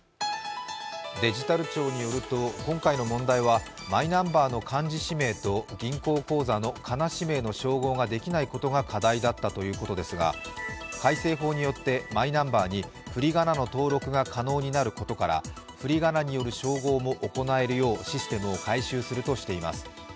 デジタル庁によると今回の問題はマイナンバーの漢字氏名とカナ氏名の照合ができないことが課題だったということですが、改正法によってマイナンバーにフリガナの登録が可能になることから、フリガナによる照合も行えるようシステムを改定するとしています。